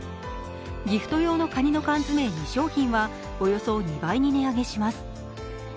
ギフト用のかにの缶詰２商品はおよそ２倍に値上げします。